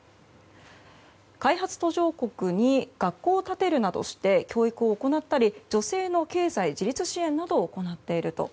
開発途上国に学校を建てるなどして教育を行ったり女性の経済自立支援などを行っていると。